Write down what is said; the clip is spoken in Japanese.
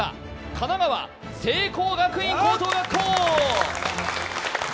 神奈川、聖光学院高等学校！